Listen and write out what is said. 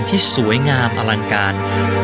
ที่สวยงามอลังการ